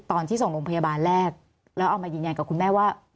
ตอนที่ส่งโรงพยาบาลแรกแล้วเอามายืนยันกับคุณแม่ว่า